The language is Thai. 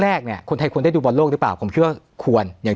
แรกเนี่ยคนไทยควรได้ดูบอลโลกหรือเปล่าผมคิดว่าควรอย่าง